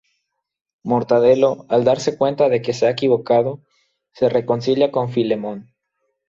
Mortadelo, al darse cuenta de que se ha equivocado, se reconcilia con Filemón.